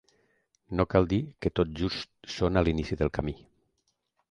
No cal dir que tot just són a l'inici del camí.